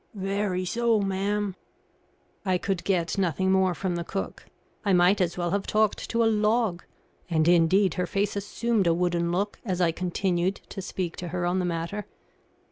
"Very so, ma'am." I could get nothing more from the cook. I might as well have talked to a log; and, indeed, her face assumed a wooden look as I continued to speak to her on the matter.